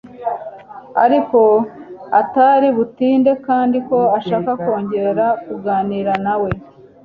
ariko atari butinde kandi ko ashaka kongera kuganira nawe